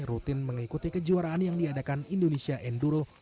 rutin mengikuti kejuaraan yang diadakan indonesia enduro